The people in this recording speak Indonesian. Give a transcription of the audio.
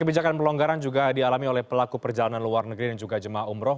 kebijakan pelonggaran juga dialami oleh pelaku perjalanan luar negeri dan juga jemaah umroh